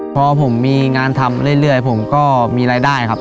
พอผมมีงานทำเรื่อยผมก็มีรายได้ครับ